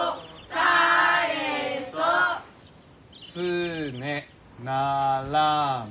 「つねならむ」。